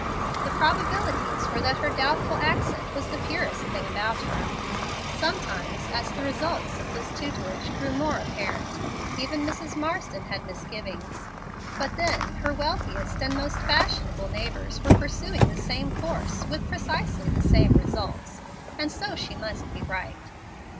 The probabilities were that her doubtful accent was the purest thing about her. Sometimes, as the results of this tutelage grew more apparent, even Mrs. Marsden had misgivings. But then her wealthiest and most fashionable neighbors were pursuing the same course with precisely the same results; and so she must be right.